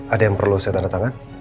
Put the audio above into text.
ada yang perlu saya tanda tangan